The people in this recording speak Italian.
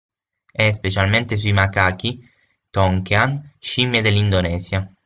E, specialmente sui macachi tonkean, scimmie dell'Indonesia.